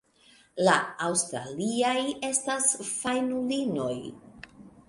La aŭstraliaj estis fajnulinoj.